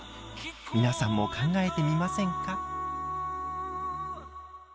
皆さんも考えてみませんか？